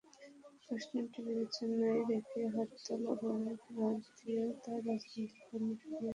প্রশ্নটি বিবেচনায় রেখে হরতাল-অবরোধ বাদ দিয়েও তো রাজনৈতিক কর্মসূচি নেওয়া যায়।